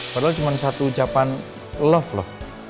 padahal cuma satu ucapan love loh